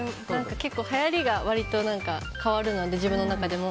結構はやりが割と変わるので自分の中でも。